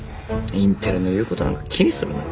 インテリの言うことなんか気にするな。